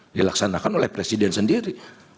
dilaksanakan oleh presiden sendiri